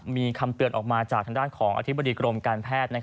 มีคำเตือนออกมาจากทางด้านของอธิบดีกรมการแพทย์